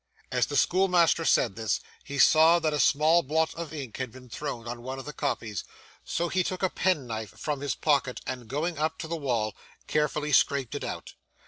As the schoolmaster said this, he saw that a small blot of ink had been thrown on one of the copies, so he took a penknife from his pocket, and going up to the wall, carefully scraped it out.